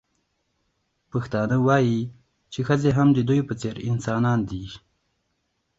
پښتانه وايي چې ښځې هم د دوی په څېر انسانان دي.